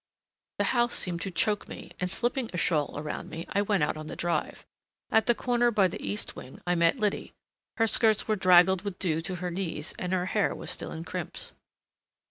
The house seemed to choke me, and, slipping a shawl around me, I went out on the drive. At the corner by the east wing I met Liddy. Her skirts were draggled with dew to her knees, and her hair was still in crimps.